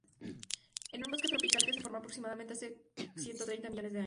Es un bosque tropical que se formó aproximadamente hace ciento treinta millones de años.